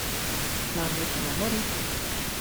Mám jet na hory?